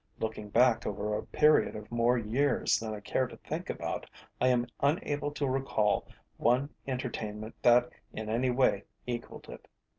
Looking back over a period of more years than I care to think about, I am unable to recall one entertainment that in any way equalled it.